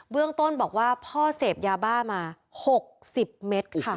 เรื่องต้นบอกว่าพ่อเสพยาบ้ามา๖๐เมตรค่ะ